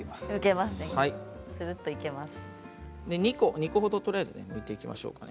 ２個ほどとりあえずむいていきましょうね。